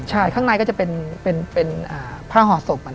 ใช่ข้างในก็จะเป็นผ้าห่อศพ